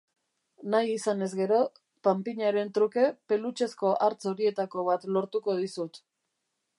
Nahi izanez gero, panpinaren truke pelutxezko hartz horietako bat lortuko dizut.